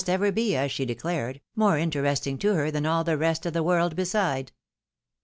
ever be, as she declared, more interesting to her than all the rest of the world beside.